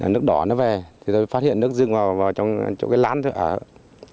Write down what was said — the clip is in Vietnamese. nước đỏ nó về tôi phát hiện nước dưng vào trong chỗ cái lán thôi